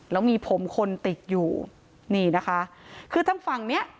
แล้วมีผมคนติดอยู่นี่นะคะคือทางฝั่งเนี้ย